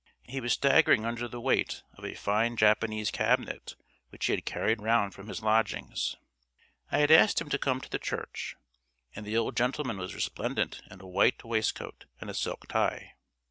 He was staggering under the weight of a fine Japanese cabinet which he had carried round from his lodgings. I had asked him to come to the church, and the old gentleman was resplendent in a white waistcoat and a silk tie.